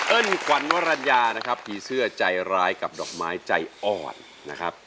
ขวัญวรรณญานะครับผีเสื้อใจร้ายกับดอกไม้ใจอ่อนนะครับ